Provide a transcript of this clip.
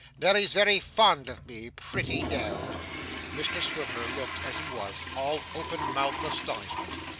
Nelly's very fond of me. Pretty Nell!' Mr Swiveller looked, as he was, all open mouthed astonishment.